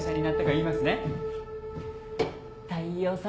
大陽さん